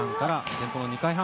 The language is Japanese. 前方２回半。